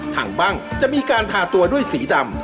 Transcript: ถังบ้างจะมีการทาตัวด้วยสีดำ